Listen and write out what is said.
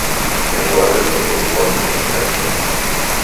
És la base per calcular els percentatges.